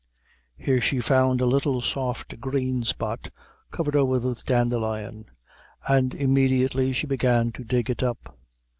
Here she found a little, soft, green spot, covered over with dandelion; and immediately she began to dig it up.